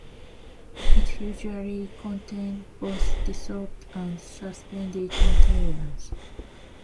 It usually contains both dissolved and suspended material.